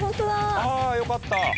あよかった！